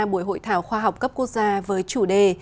buổi hội thảo khoa học cấp quốc gia với chủ đề